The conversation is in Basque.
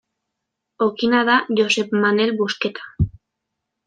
Okina da Josep Manel Busqueta.